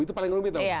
itu paling rumit tau